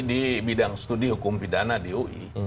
di bidang studi hukum pidana di ui